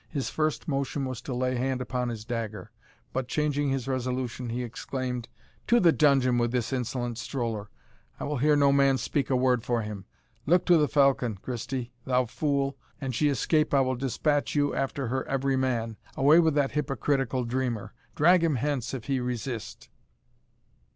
His first motion was to lay hand upon his dagger. But, changing his resolution, he exclaimed, "To the dungeon with this insolent stroller! I will hear no man speak a word for him Look to the falcon, Christie, thou fool an she escape, I will despatch you after her every man Away with that hypocritical dreamer drag him hence if he resist!"